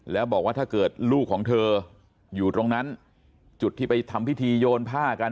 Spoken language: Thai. แล้วบอกว่าถ้าเกิดลูกของเธออยู่ตรงนั้นจุดที่ไปทำพิธีโยนผ้ากัน